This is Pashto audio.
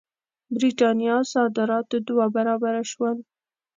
برېټانیا صادرات دوه برابره شول.